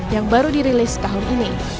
yang baru dirilis tahun ini